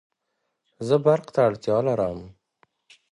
زه برق ته اړتیا لرم